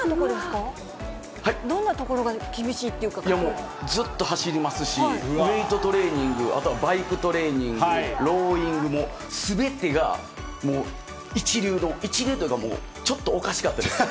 もうずっと走りますし、ウエイトトレーニング、あとはバイクトレーニング、ローリングも、すべてがもう一流の、一流というか、もう、ちょっとおかしかったです。